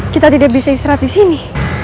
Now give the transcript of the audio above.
kita tidak bisa beristirahat disini